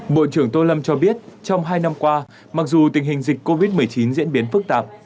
bộ trưởng tô lâm cho biết trong hai năm qua mặc dù tình hình dịch covid một mươi chín diễn biến phức tạp